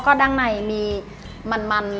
ก็ด้านในมีมัน